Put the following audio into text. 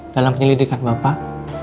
dalam penyelidikan bapak